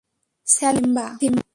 Salute, Simba!